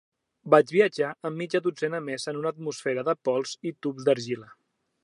Vaig viatjar amb mitja dotzena més en una atmosfera de pols i tubs d'argila.